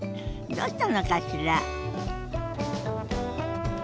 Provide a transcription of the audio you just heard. どうしたのかしら？